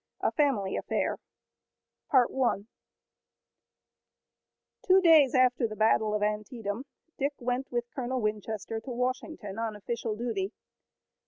A FAMILY AFFAIR Two days after the battle of Antietam, Dick went with Colonel Winchester to Washington on official duty.